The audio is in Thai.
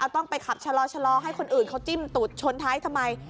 ต้องไปขับชะลอให้คนอื่นเขาจิ้มตุดชนท้ายทำไม